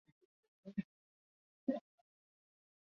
Walishinda zawadi kubwa kubwa